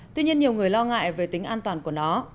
tuy nhiên nhiều người lo ngại về tính an toàn của nó